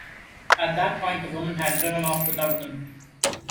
At that point the woman had driven off without them.